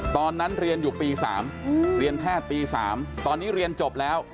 ตอนนั้นเรียนอยู่ปี๓เรียนแพทย์ปี๓ตอนนี้เรียนจบแล้ว